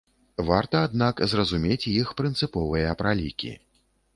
Варта, аднак, зразумець іх прынцыповыя пралікі.